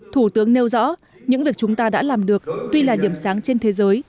thủ tướng nêu rõ những việc chúng ta đã làm được tuy là điểm sáng trên thế giới